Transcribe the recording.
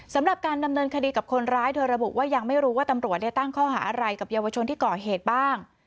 สำหรับการดำเนินคดีกับคนร้ายเธอระบุว่ายังไม่รู้ว่าตำรวจได้ตั้งข้อหาอะไรกับเยาวชนที่ก่อเหตุบ้าง